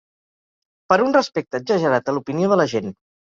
Per un respecte exagerat a l'opinió de la gent.